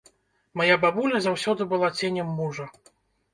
Мая бабуля заўсёды была ценем мужа.